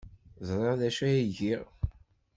Ẓriɣ d acu ay giɣ.